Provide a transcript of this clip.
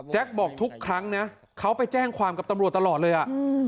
บอกทุกครั้งนะเขาไปแจ้งความกับตำรวจตลอดเลยอ่ะ